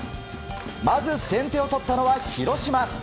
まず先手を取ったのは広島。